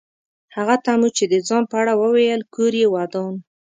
هغه ته مو چې د ځان په اړه وویل کور یې ودان.